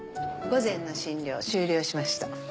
午前の診療終了しました。